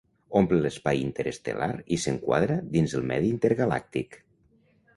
Omple l'espai interestel·lar i s'enquadra dins el medi intergalàctic.